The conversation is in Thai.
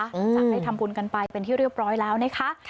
จากได้ทำบุญกันไปเป็นที่เรียบร้อยแล้วนะคะ